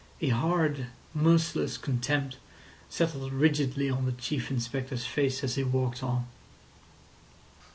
A hard, merciless contempt settled rigidly on the Chief Inspector's face as he walked on.